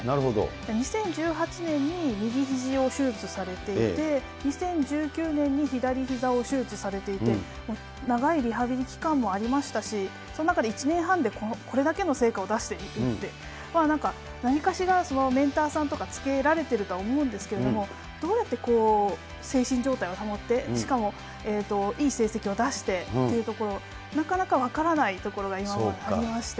２０１８年に右ひじを手術されていて、２０１９年に左ひざを手術されていて、長いリハビリ期間もありましたし、その中で１年半でこれだけの成果を出していくって、ここはなんか、何かしらメンタルさんとかつけられているとは思うんですけれども、どうやって精神状態を保って、しかも、いい成績を出してっていうところ、なかなか分からないところが今までありまして。